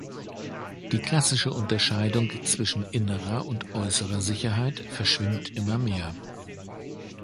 Die klassische Unterscheidung zwischen innerer und äußerer Sicherheit verschwimmt immer mehr.